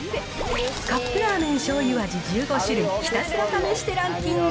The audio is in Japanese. カップラーメンしょうゆ味１５種類、ひたすら試してランキング。